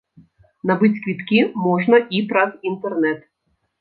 Набыць квіткі можна і праз інтэрнэт.